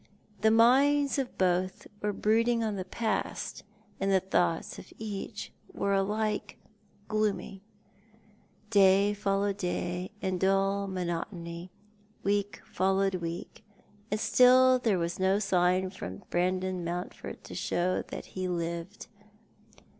The minds of both were l)rooding on the past, and the thoughts of each were alike glooraj'. Day followed day in a dull monotony, week followed week, and still there was no sign from Brandon Mountford to show that ho lived.